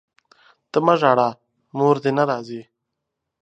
ته مه ژاړه ، موردي نه ځي!